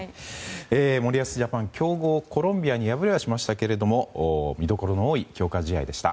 森保ジャパン強豪コロンビアに敗れはしましたが見どころの多い強化試合でした。